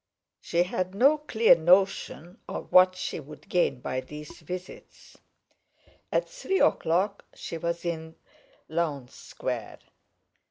She had no clear notion of what she would gain by these visits. At three o'clock she was in Lowndes Square.